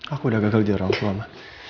aku udah gagal jadi orang tua ma